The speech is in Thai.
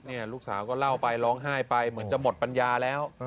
นี่ลูกสาวก็เล่าไปร้องไห้ไปเหมือนจะหมดปัญญาแล้ว